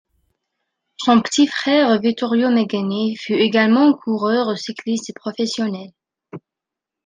Son petit frère Vittorio Magni fut également coureur cycliste professionnel.